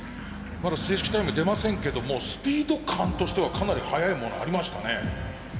まだ正式タイム出ませんけどもスピード感としてはかなり速いものありましたね。